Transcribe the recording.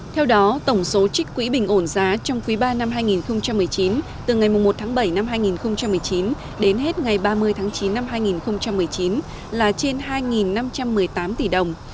theo đó tổng số trích quỹ bình ổn giá trong quý ba năm hai nghìn một mươi chín từ ngày một tháng bảy năm hai nghìn một mươi chín đến hết ngày ba mươi tháng chín năm hai nghìn một mươi chín là trên hai năm trăm một mươi tám tỷ đồng